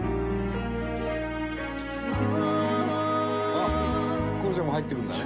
「あっ心愛ちゃんも入ってくるんだね」